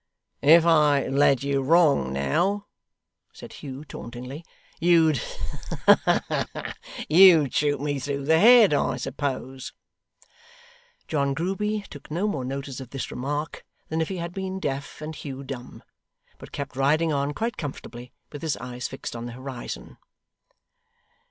'If I led you wrong now,' said Hugh, tauntingly, 'you'd ha ha ha! you'd shoot me through the head, I suppose.' John Grueby took no more notice of this remark than if he had been deaf and Hugh dumb; but kept riding on quite comfortably, with his eyes fixed on the horizon.